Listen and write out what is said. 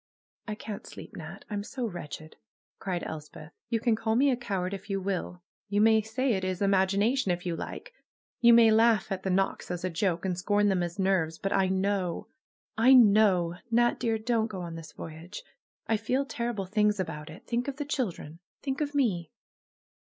"I can't sleep, Nat. I'm so wretched!" cried Els peth. "You can call me a coward if you will; you may 132 THE KNELL OF NAT PAGAN {^ay it is imagination if yon like; you may laugh at the knocks as a joke, and scorn them as nerves; but I know! I know ! Nat, dear, don't go on this voyage I I feel terrible things about it. Think of the children ! Think of me!"